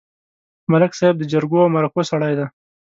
ملک صاحب د جرګو او مرکو سړی دی.